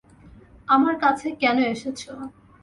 আমার কাছে কেন এসেছ?